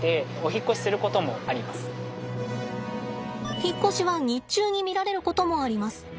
引っ越しは日中に見られることもあります。